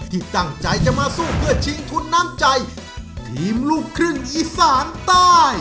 ที่ตั้งใจจะมาสู้เพื่อชิงทุนน้ำใจทีมลูกครึ่งอีสานใต้